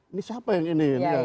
ini siapa yang ini